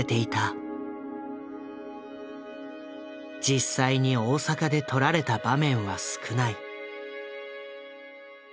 実際に大阪で撮られた場面は少ない。